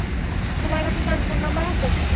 তোমার কাছে তার ফোন নাম্বার আছে?